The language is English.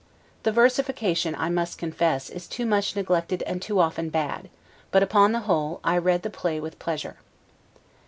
The versification, I must confess, is too much neglected and too often bad: but, upon the whole, I read the play with pleasure.